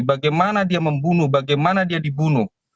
bagaimana dia membunuh bagaimana dia dibunuh